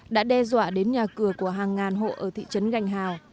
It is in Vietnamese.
đã đe dọa đến nhà cửa của hàng ngàn hộ ở thị trấn gành hào